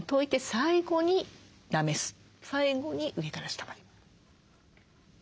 最後に上から下まで。